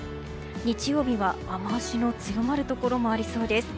日曜日は雨脚の強まるところもありそうです。